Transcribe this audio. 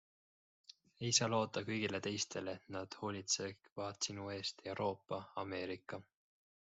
Ei saa loota kõigile teistele, et nad hoolitsevad sinu eest - Euroopa, Ameerika.